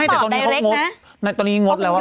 อืมนี่แหละ